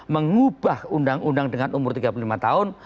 mengubah undang undang dengan umur tiga puluh lima tahun